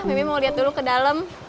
miemi mau liat dulu ke dalam